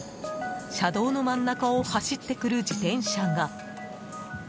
車道の真ん中を走ってくる自転車が。